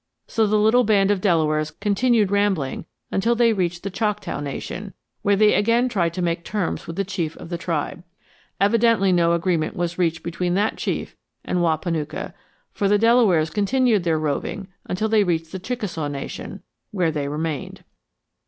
So the little band of Delawares continued rambling until they reached the Choctaw Nation, where they again tried to make terms with the Chief of the tribe. Evidently no agreement was reached between that Chief and Wahpanucka, for the Delawares continued their roving until they reached the Chickasaw Nation, where they remained.